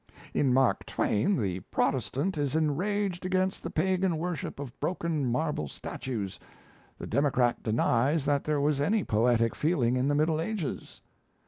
... In Mark Twain the Protestant is enraged against the pagan worship of broken marble statues the democrat denies that there was any poetic feeling in the middle ages.